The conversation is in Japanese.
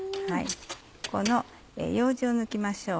このようじを抜きましょう。